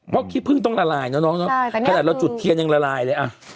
เพราะขี้พึ่งต้องละลายนะน้องเนาะขนาดเราจุดเทียนยังละลายเลยอ่ะ